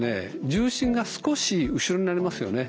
重心が少し後ろになりますよね。